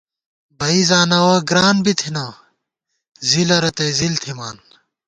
بئ زناوَہ گران بی تھنہ، ځِلہ رتئ ځِل تھِمان